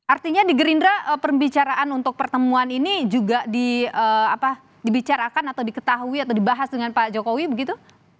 artinya di gerindra pembicaraan untuk pertemuan ini juga dibicarakan atau diketahui atau dibahas dengan pak jokowi begitu